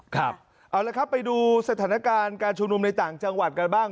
ครับเอาละครับไปดูสถานการณ์การชุมนุมในต่างจังหวัดกันบ้าง